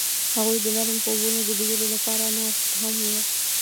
هغوی د نرم خوبونو د لیدلو لپاره ناست هم وو.